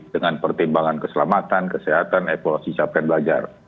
dengan pertimbangan keselamatan kesehatan evaluasi capaian belajar